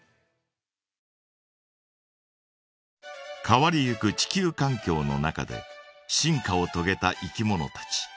変わりゆく地球かん境の中で進化をとげたいきものたち。